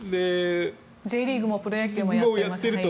Ｊリーグもプロ野球もやっていると。